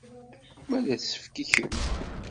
Wa d asefk i kemm.